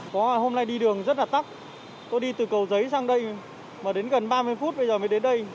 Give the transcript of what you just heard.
có hôm nay đi đường rất là tắt có đi từ cầu giấy sang đây mà đến gần ba mươi phút bây giờ mới đến đây